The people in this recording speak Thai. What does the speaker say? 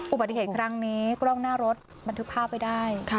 อุบัติเหตุครั้งนี้กล้องหน้ารถเมื่อที่ผ้าไปได้